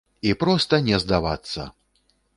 І проста не здавацца!